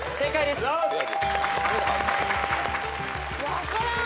分からん